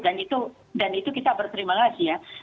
dan itu kita berterima kasih ya